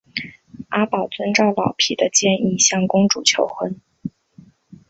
阿宝遵照老皮的建议向公主求婚。